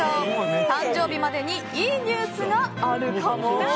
誕生日までにいいニュースがあるかも？